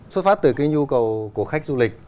xuất phát từ cái nhu cầu của khách du lịch